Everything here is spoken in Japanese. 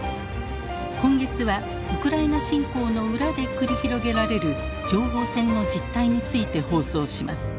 今月はウクライナ侵攻の裏で繰り広げられる情報戦の実態について放送します。